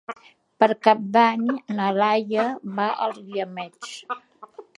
Per Cap d'Any na Laia va als Guiamets.